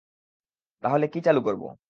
তাহলে কি চালু করবো?